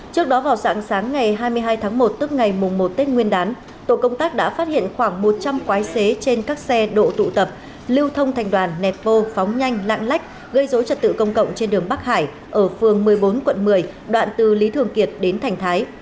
trước đó vào dạng sáng ngày hai mươi hai tháng một tức ngày mùng một tết nguyên đán tổ công tác đã phát hiện khoảng một trăm linh quái xế trên các xe độ tụ tập lưu thông thành đoàn nẹp bô phóng nhanh lạng lách gây dối trật tự công cộng trên đường bắc hải ở phường một mươi bốn quận một mươi đoạn từ lý thường kiệt đến thành thái